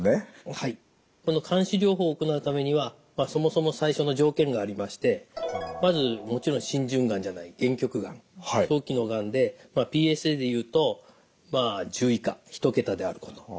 この監視療法を行うためにはそもそも最初の条件がありましてまずもちろん浸潤がんじゃない限局がん早期のがんでＰＳＡでいうとまあ１０以下１桁であること。